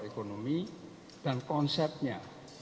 ekonomi dan konsepnya